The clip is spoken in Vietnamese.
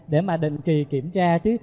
để mà định kỳ kiểm tra